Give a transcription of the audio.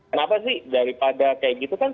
kenapa sih daripada kayak gitu kan